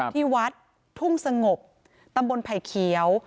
ที่วัดทุ่งสงบตำบลไผ่เขียว